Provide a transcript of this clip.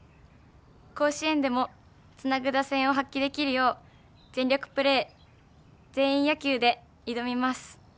甲子園でも、つなぐ打線を発揮できるよう全力プレー全員野球で挑みます。